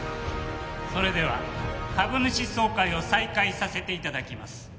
それでは株主総会を再開させていただきます